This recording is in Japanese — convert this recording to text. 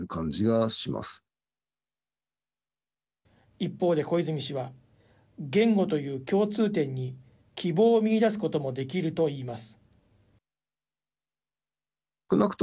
一方で小泉氏は言語という共通点に希望を見いだすこともできると言います。